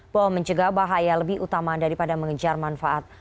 bahwa mencegah bahaya lebih utama daripada mengejar manfaat